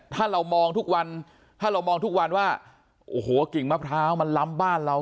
ถ้าเรามองทุกวันถ้าเรามองทุกวันว่าโอ้โหกิ่งมะพร้าวมันล้ำบ้านเรา